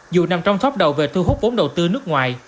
dù nằm trong top đầu về thu hút vốn đầu tư nước ngoài